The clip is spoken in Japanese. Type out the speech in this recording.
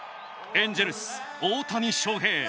エンジェルス大谷翔平。